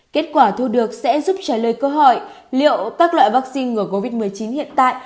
kết quả thu được sẽ giúp trả lời câu hỏi liệu các loại vaccine ngừa covid một mươi chín hiện tại